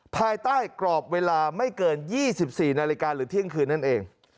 ภายใต้กรอบเวลาไม่เกิน๒๔นาฬิกาหรือเที่ยงคืนนั่นเอง